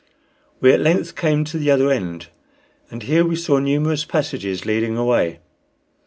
We at length came to the other end, and here we saw numerous passages leading away.